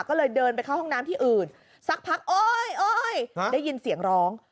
ก็เลยเดินไปเข้าห้องน้ำที่อื่นสักพักโอ๊ยโอ๊ยได้ยินเสียงร้อง